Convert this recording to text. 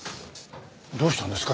どうしたんですか？